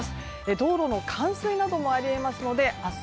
道路の冠水などもあり得ますので明日